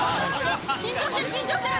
緊張してる緊張してる。